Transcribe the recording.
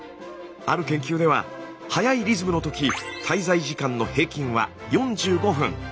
ある研究では速いリズムの時滞在時間の平均は４５分。